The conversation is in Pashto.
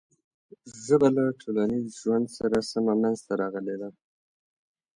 ژبه له ټولنیز ژوند سره سمه منځ ته راغلې ده.